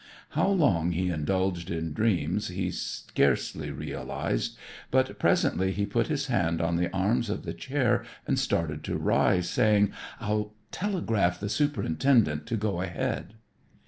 How long he indulged in dreams he scarcely realized, but presently he put his hands on the arms of the chair and started to rise, saying, "I'll telegraph the superintendent to go ahead."